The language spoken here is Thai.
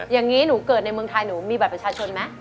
อย่างนี้หนูเกิดในเมืองไทยหนูมีบัตรประชาชนไหม